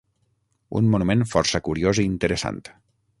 Un monument força curiós i interessant.